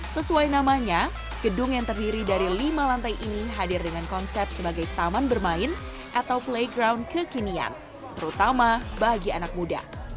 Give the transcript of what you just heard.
sesuai namanya gedung yang terdiri dari lima lantai ini hadir dengan konsep sebagai taman bermain atau playground kekinian terutama bagi anak muda